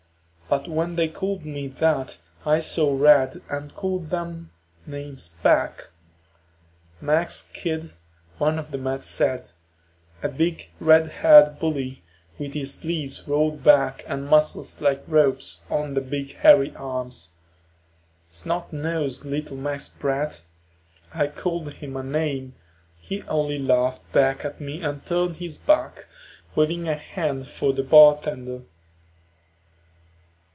But when they called me that I saw red and called them names back. "Mex kid," one of the men said, a big red haired bully with his sleeves rolled back and muscles like ropes on the big hairy arms. "Snot nosed little Mex brat." I called him a name. He only laughed back at me and turned his back, waving a hand for the bartender.